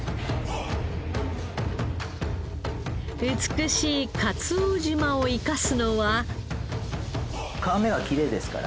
美しいかつお縞を生かすのは。